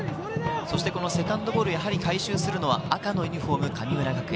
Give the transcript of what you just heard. このセカンドボール、やはり回収するのは赤のユニホーム・神村学園。